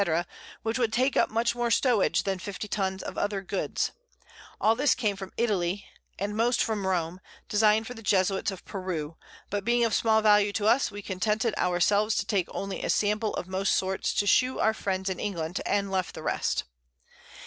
_ which would take up much more Stowage than 50 Tuns of other Goods: All this came from Italy, and most from Rome, design'd for the Jesuits of Peru; but being of small Value to us, we contented our selves to take only a Sample of most Sorts to shew our Friends in England, and left the rest.